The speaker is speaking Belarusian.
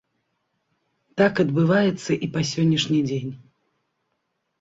Так адбываецца і па сённяшні дзень.